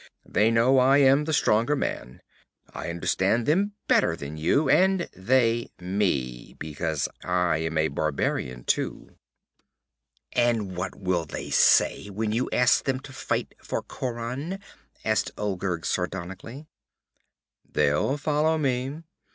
They know I am the stronger man. I understand them better than you, and they, me; because I am a barbarian too.' 'And what will they say when you ask them to fight for Khauran?' asked Olgerd sardonically. 'They'll follow me.